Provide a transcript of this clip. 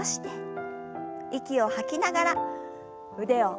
息を吐きながら腕を下ろします。